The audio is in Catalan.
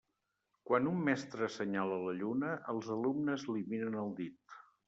Quan un mestre assenyala la lluna, els alumnes li miren el dit.